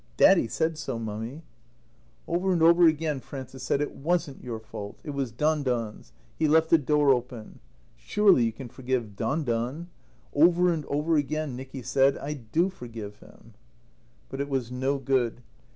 "Daddy said so, Mummy." Over and over again Frances said, "It wasn't your fault. It was Don Don's. He left the door open. Surely you can forgive Don Don?" Over and over again Nicky said, "I do forgive him." But it was no good.